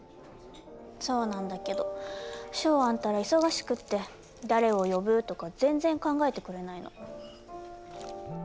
そうなんだけどショウアンったら忙しくって誰を呼ぶとか全然考えてくれないの。